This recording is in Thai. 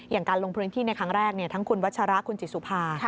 อย่างการลงพื้นที่ในครั้งแรกทั้งคุณวัชระคุณจิตสุภา